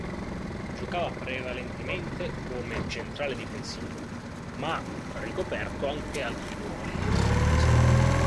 Giocava prevalentemente come centrale difensivo, ma ha ricoperto anche altri ruoli nella difesa.